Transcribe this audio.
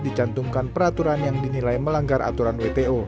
dicantumkan peraturan yang dinilai melanggar aturan wto